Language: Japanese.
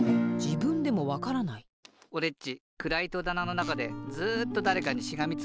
おれっちくらいとだなのなかでずっとだれかにしがみついてた。